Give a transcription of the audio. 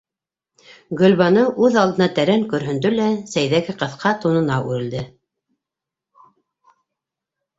Гөлбаныу үҙ алдына тәрән көрһөндө лә сәйҙәге ҡыҫҡа тунына үрелде: